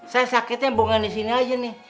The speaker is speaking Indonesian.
saya sakitnya bukan di sini aja nih